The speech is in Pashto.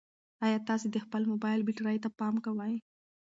ایا تاسي د خپل موبایل بیټرۍ ته پام کوئ؟